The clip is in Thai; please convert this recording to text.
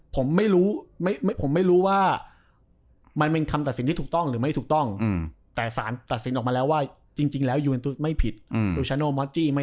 ผมไม่รู้ผมไม่รู้ว่ามันเป็นคำตัดสินที่ถูกต้องหรือไม่ถูกต้องอืม